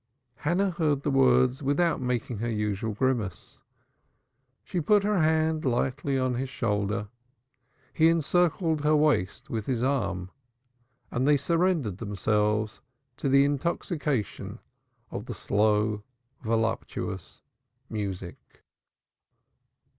Hannah heard the words without making her usual grimace. She put her hand lightly on his shoulder, he encircled her waist with his arm and they surrendered themselves to the intoxication of the slow, voluptuous music.